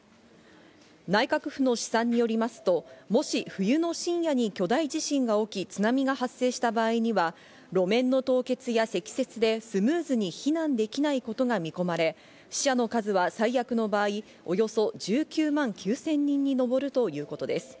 内閣府の試算によりますと、もし冬の深夜に巨大地震が大きい津波が発生した場合には路面の凍結や積雪でスムーズに避難できないことが見込まれ、死者の数は最悪の場合、およそ１９万９０００人に上るということです。